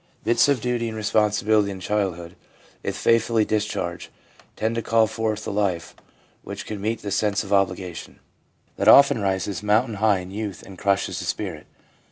Bits of duty and responsi bility in childhood, if faithfully discharged, tend to call forth a life which can meet the sense of obligation, that often rises mountain high in youth and crushes the spirit.